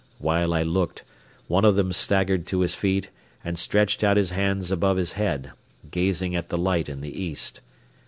While I looked, one of them staggered to his feet and stretched out his hands above his head, gazing at the light in the east.